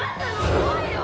怖いよ！